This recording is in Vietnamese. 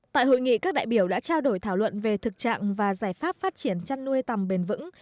tại hội nghị các đại biểu đã trao đổi thảo luận về thực trạng và giải pháp phát triển chăn nuôi tầm bền vững